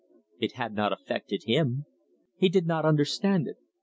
It had not affected him. He did not understand it.